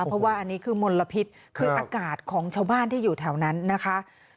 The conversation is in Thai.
เพราะว่าอันนี้คือมลพิษคืออากาศของชาวบ้านที่อยู่แถวนั้นนะคะ